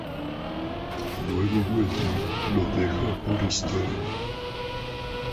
Luego Wendy lo deja por Stan.